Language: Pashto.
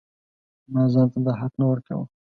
ما ځان ته دا حق نه ورکاوه.